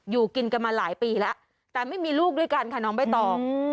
อยู่กินกันมาหลายปีแล้วแต่ไม่มีลูกด้วยกันค่ะน้องใบตอง